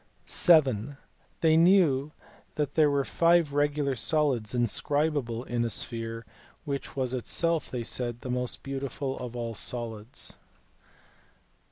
^V\XA/^ (vii) They knew that there were five regular solids inscri bable in a sphere, which was itself, they said, the most beautiful of all solids.